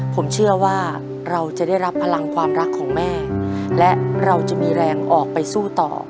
ผมเชื่อว่าเราจะได้รับพลังความรักของแม่และเราจะมีแรงออกไปสู้ต่อ